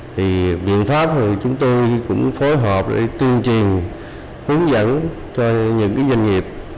thì biện pháp thì chúng tôi cũng phối hợp để tuyên truyền hướng dẫn cho những doanh nghiệp